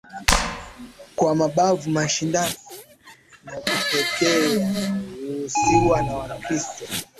kwa mabavu Mashindano pekee yanayoruhusiwa kwa Mkristo